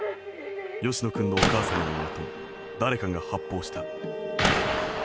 吉野君のお母さんが言うと誰かが発砲した。